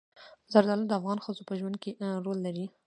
زردالو د افغان ښځو په ژوند کې رول لري.